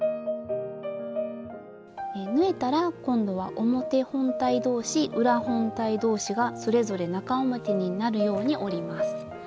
縫えたら今度は表本体どうし裏本体どうしがそれぞれ中表になるように折ります。